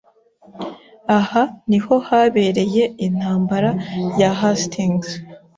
Aha niho habereye intambara ya Hastings.